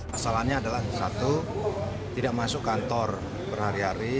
masalahnya adalah satu tidak masuk kantor berhari hari